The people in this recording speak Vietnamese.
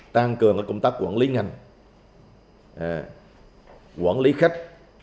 tăng cường công tác quản lý ngành quản lý khách